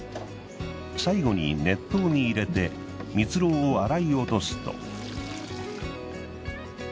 最後に熱湯に入れてミツロウを洗い落とすと。